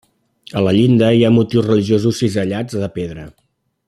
A la llinda hi ha motius religiosos cisellats de pedra.